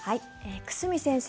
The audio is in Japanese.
久住先生